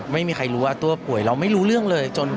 ไม่มีใครรู้ว่าตัวป่วยเราไม่รู้เรื่องเลย